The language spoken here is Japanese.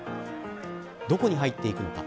どこに入っていくのか。